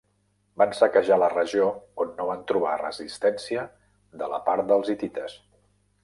Van saquejar la regió on no van trobar resistència de la part dels hitites.